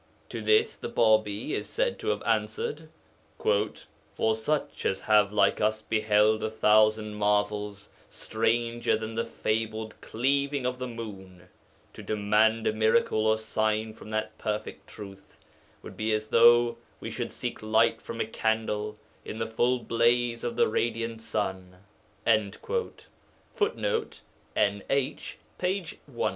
To this the Bābī is said to have answered, 'For such as have like us beheld a thousand marvels stranger than the fabled cleaving of the moon to demand a miracle or sign from that Perfect Truth would be as though we should seek light from a candle in the full blaze of the radiant sun.' [Footnote: NH, p. 122.